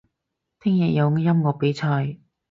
聽日有音樂比賽